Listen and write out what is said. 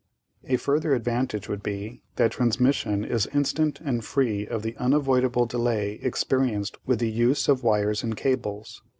"A further advantage would be that transmission is instant and free of the unavoidable delay experienced with the use of wires and cables.